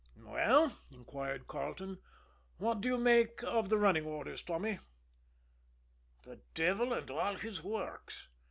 "Well," inquired Carleton, "what do you make of the running orders, Tommy?" "The devil and all his works!"